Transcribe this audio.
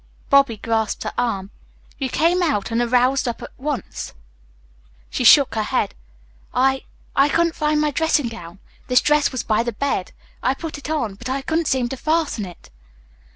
Bobby grasped her arm. "You came out and aroused up at once?" She shook her head. "I I couldn't find my dressing gown. This dress was by the bed. I put it on, but I couldn't seem to fasten it."